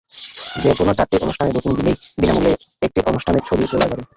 যেকোনো চারটি অনুষ্ঠানের বুকিং দিলেই বিনা মূল্যে একটি অনুষ্ঠানের ছবি তোলানো যাবে।